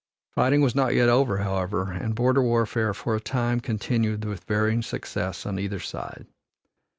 Fighting was not yet over, however, and border warfare for a time continued with varying success on either side.